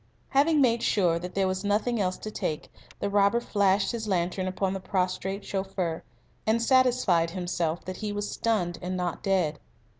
Having made sure that there was nothing else to take, the robber flashed his lantern upon the prostrate chauffeur, and satisfied himself that he was stunned and not dead.